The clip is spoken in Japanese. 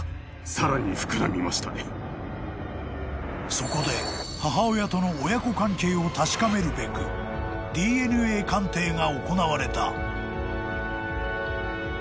［そこで母親との親子関係を確かめるべくＤＮＡ鑑定が行われた］